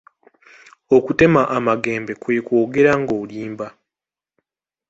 Okutema amagembe kwe kwogera nga olimba.